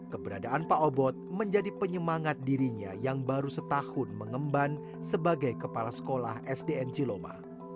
keberadaan pak obot menjadi penyemangat dirinya yang baru setahun mengemban sebagai kepala sekolah sdn ciloma